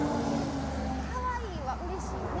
可愛いはうれしいよね。